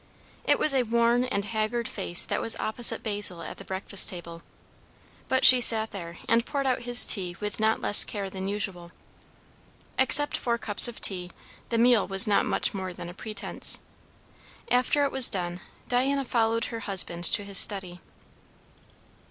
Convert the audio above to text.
It was a worn and haggard face that was opposite Basil at the breakfast table; but she sat there, and poured out his tea with not less care than usual. Except for cups of tea, the meal was not much more than a pretence. After it was done, Diana followed her husband to his study.